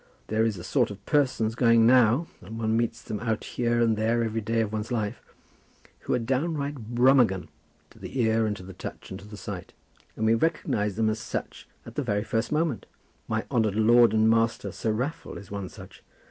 There is a sort of persons going now, and one meets them out here and there every day of one's life, who are downright Brummagem to the ear and to the touch and to the sight, and we recognize them as such at the very first moment. My honoured lord and master, Sir Raffle, is one such.